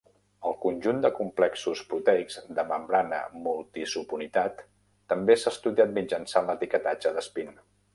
El conjunt de complexos proteics de membrana multi-subunitat també s'ha estudiat mitjançant l'etiquetatge de spin.